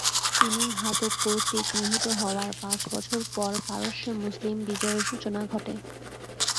তিনি ঘাতক কর্তৃক নিহত হওয়ার পাঁচ বছর পর পারস্যে মুসলিম বিজয়ের সূচনা ঘটে।